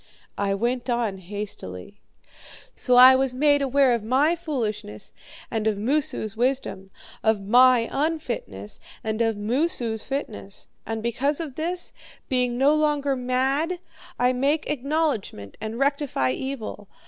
I went on hastily. 'So I was made aware of my foolishness and of Moosu's wisdom; of my own unfitness and of Moosu's fitness. And because of this, being no longer mad, I make acknowledgment and rectify evil.